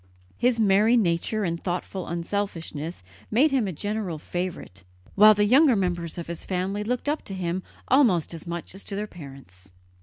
His merry nature and thoughtful unselfishness made him a general favourite, while the younger members of the family looked up to him almost as much as to their parents.